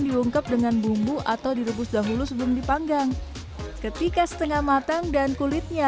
diungkep dengan bumbu atau direbus dahulu sebelum dipanggang ketika setengah matang dan kulitnya